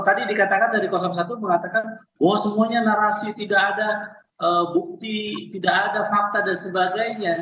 tadi dikatakan dari satu mengatakan bahwa semuanya narasi tidak ada bukti tidak ada fakta dan sebagainya